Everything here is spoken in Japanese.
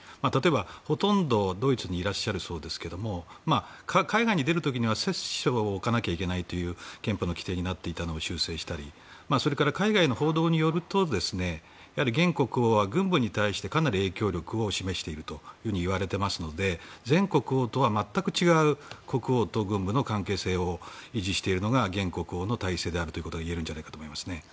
ほとんどドイツにいらっしゃるそうですけれども海外に出る時には、折衝を置かなければいけないという憲法の規定になっていたのを修正したりそれから、海外の報道によると現国王は軍部に対してかなり影響力を示していると言われていますので前国王とは全く違う国王と軍部の関係性を維持しているのが現国王の体制であるといえるんじゃないかと思いますね。